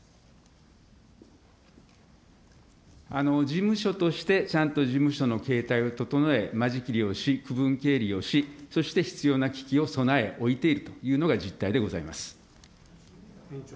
事務所としてちゃんと事務所の形態を整え、間仕切りをし、区分経理をし、そして必要な機器を備え、置いているというのが実態でございます。